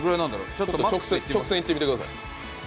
ちょっと直線行ってみてください。